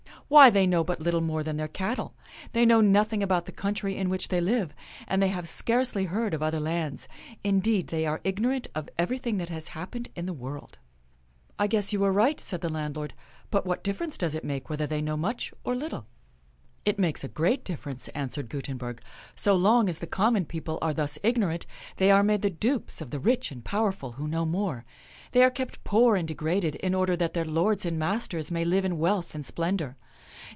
Why, they know but little more than their cattle. They know nothing about the coun try in which they live ; and they have scarcely heard of other lands. Indeed, they are ignorant of everything that has happened in the world." " I guess you are right," said the landlord ;" but what difference does it make whether they know much or little .''" 42 THIRTY MORE FAMOUS STORIES " It makes a great difference," answered Guten berg. "So long as the common people are thus ignorant they are made the dupes of the rich and powerful who know more. They are kept poor and degraded in order that their lords and masters may live in wealth and splendor.